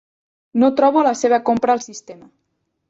No trobo la seva compra al sistema.